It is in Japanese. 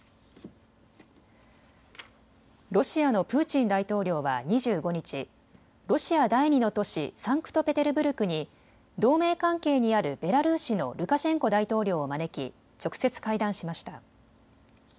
ロシアのプーチン大統領は２５日、ロシア第２の都市サンクトペテルブルクに同盟関係にあるベラルーシのルカシェンコ大統領を招き直接、会談しました。